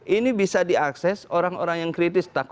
ini bisa diakses orang orang yang kritis